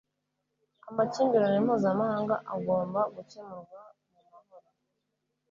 Amakimbirane mpuzamahanga agomba gukemurwa mu mahoro